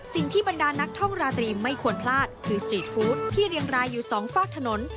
สิ่งที่บรรดานักท่องราตรีไม่ควรพลาดคือสตรีทฟู้ดที่เรียงรายอยู่สองฝากถนน